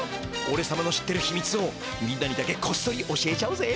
おれさまの知ってるひみつをみんなにだけこっそり教えちゃうぜ。